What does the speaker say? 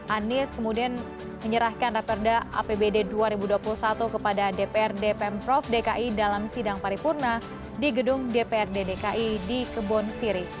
anies kemudian menyerahkan raperda apbd dua ribu dua puluh satu kepada dprd pemprov dki dalam sidang paripurna di gedung dprd dki di kebon siri